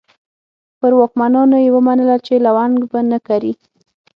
پر واکمنانو یې ومنله چې لونګ به نه کري.